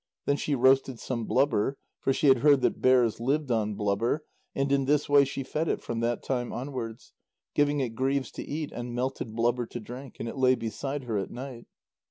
Then she roasted some blubber, for she had heard that bears lived on blubber, and in this way she fed it from that time onwards, giving it greaves to eat and melted blubber to drink, and it lay beside her at night.